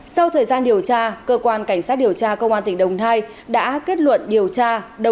sau thời gian điều tra cơ quan cảnh sát điều tra công an tỉnh đồng nai đã kết luận điều tra